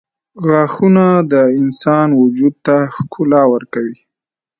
• غاښونه د انسان وجود ته ښکلا ورکوي.